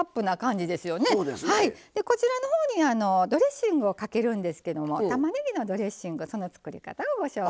でこちらの方にドレッシングをかけるんですけどもたまねぎのドレッシングその作り方をご紹介します。